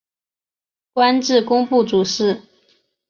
官至工部主事。